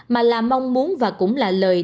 mà là mong muốn và cũng là lời